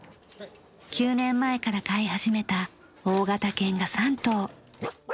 ９年前から飼い始めた大型犬が３頭。